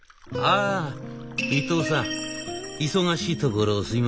「あ伊藤さん忙しいところすいません。